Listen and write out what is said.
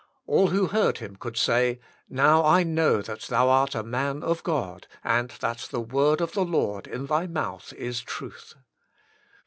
All who heard him could say: "Now I know that thou art a man of God, and that the word of the Lord in thy mouth is truth.''